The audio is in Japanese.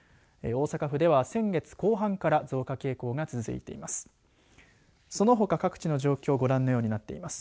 大阪府では、先月後半から増加傾向が続いています。